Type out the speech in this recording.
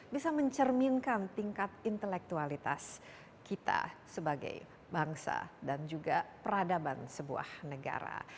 bisa mencerminkan tingkat intelektualitas kita sebagai bangsa dan juga peradaban sebuah negara